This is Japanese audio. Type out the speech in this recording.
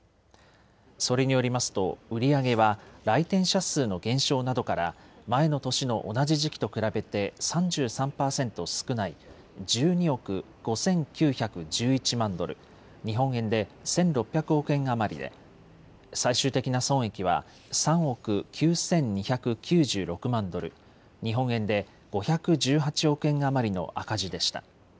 それによりますと売り上げは来店者数の減少などから前の年の同じ時期と比べて３３％少ない１２億５９１１万ドル日本円で１６００億円余りで最終的な損益は３億９２９６万ドル日本円で５１８億円余りの赤字でした。